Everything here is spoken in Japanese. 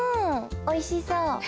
おいしそう。